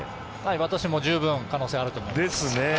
私も十分可能性はあると思います。